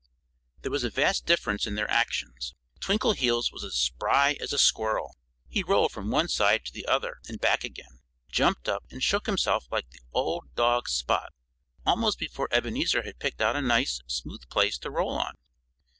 There was a vast difference in their actions. Twinkleheels was as spry as a squirrel. He rolled from one side to the other and back again, jumped up and shook himself like old dog Spot, almost before Ebenezer had picked out a nice, smooth place to roll on.